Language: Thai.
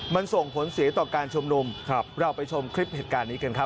มันส่งผลเสียต่อการชุมนุมเราไปชมคลิปเหตุการณ์นี้กันครับ